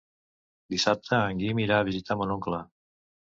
Dissabte en Guim irà a visitar mon oncle.